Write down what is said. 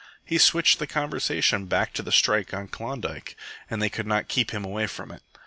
He switched the conversation back to the strike on Klondike, and they could not keep him away from it.